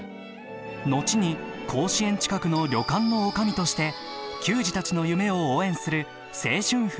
後に甲子園近くの旅館の女将として球児たちの夢を応援する青春奮闘記です。